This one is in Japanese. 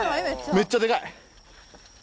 めっちゃデカい！